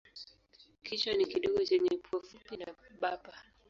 Kichwa ni kidogo chenye pua fupi na bapa.